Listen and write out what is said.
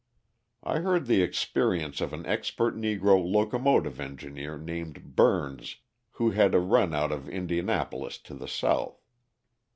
I heard the experiences of an expert Negro locomotive engineer named Burns who had a run out of Indianapolis to the South.